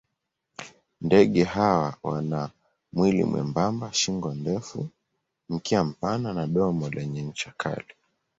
Ndege hawa wana mwili mwembamba, shingo ndefu, mkia mpana na domo lenye ncha kali.